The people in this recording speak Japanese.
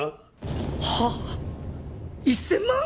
はあ？１，０００万！？